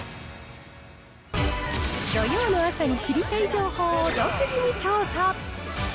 土曜の朝に知りたい情報を独自に調査。